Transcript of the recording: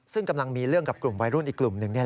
ซึ่งกำลังมีเรื่องกับกลุ่มวัยรุ่นอีกกลุ่มหนึ่ง